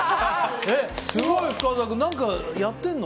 すごい、深澤君。何かやってるの？